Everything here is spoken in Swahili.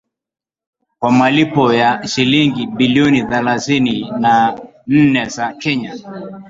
kwa malipo ya shilingi bilioni thelathini na nne za Kenya